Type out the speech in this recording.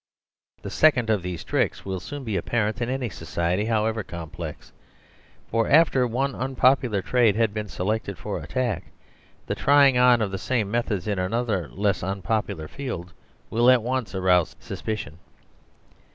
The second of these tricks will soon be apparent in any society, however complex; for after one unpopular trade had been selected for attack the trying on of the same me thods in another less unpopular field will at once rouse sus picion.